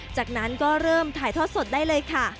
จากนั้นก็เริ่มถ่ายทอดสดได้เลยค่ะ